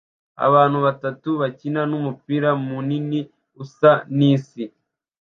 Abantu batatu bakina numupira munini usa nisi